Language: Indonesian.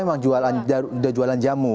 orang tua emang jualan jamu